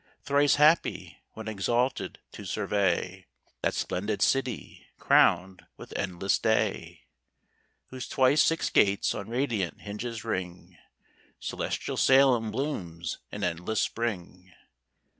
Thrice happy, when exalted to survey That splendid city, crown'd with endless day, Whose twice six gates on radiant hinges ring: Celestial Salem blooms in endless spring.